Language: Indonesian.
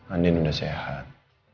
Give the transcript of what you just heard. andin udah sehat